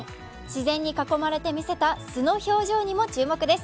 自然に囲まれて見せた素の表情にも注目です。